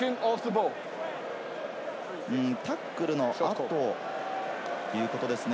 タックルの後ということですね。